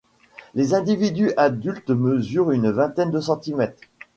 Les individus adultes mesurent une vingtaine de centimètres.